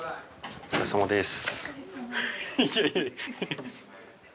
お疲れさまです。